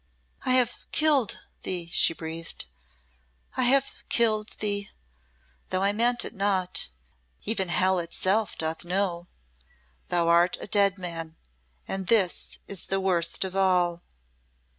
"I have killed thee," she breathed. "I have killed thee though I meant it not even hell itself doth know. Thou art a dead man and this is the worst of all!"